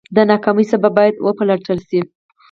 د ناکامۍ سبب باید وپلټل شي.